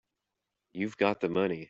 You've got the money.